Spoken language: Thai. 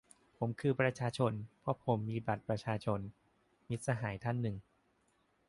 "ผมคือประชาชน ! เพราะผมมีบัตรประชาชน !" - มิตรสหายท่านหนึ่ง